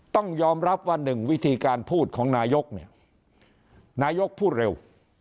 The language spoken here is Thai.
ต้องยอมรับว่าหนึ่งวิธีการพูดของนายกเนี่ยนายกพูดเร็ว